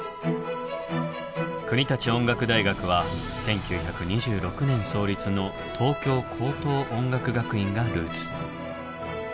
国立音楽大学は１９２６年創立の東京高等音楽学院がルーツ。